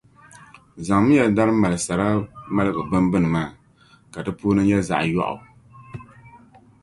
Zaŋmiya dari mali sara maligu bimbini maa, ka di puuni nyɛ zaɣ’ yɔɣu.